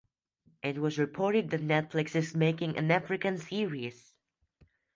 It was reported that Netflix is making an African series.